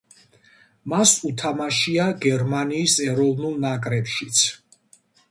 მას უთამაშია გერმანიის ეროვნულ ნაკრებშიც.